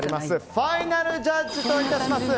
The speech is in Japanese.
ファイナルジャッジといたします。